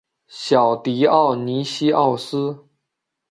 小狄奥尼西奥斯。